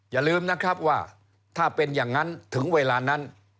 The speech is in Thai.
อย่าลืมนะครับว่าถ้าเป็นอย่างนั้นถึงเวลานั้น